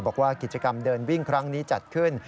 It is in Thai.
บอกว่ากิจกรรมเดินวิ่งครั้งนี้จัดขึ้น